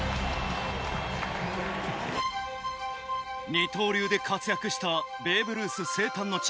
二刀流で活躍したベーブ・ルース生誕の地